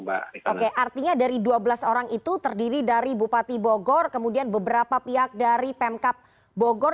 oke artinya dari dua belas orang itu terdiri dari bupati bogor kemudian beberapa pihak dari pemkap bogor